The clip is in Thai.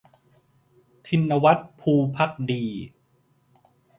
ทินวัฒน์ ภูภักดี